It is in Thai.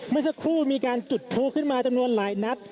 เมื่อสักครู่มีการจุดพลุขึ้นมาจำนวนหลายนัด